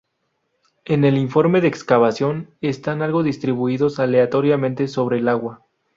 En el informe de excavación, están algo distribuidos aleatoriamente sobre el agua.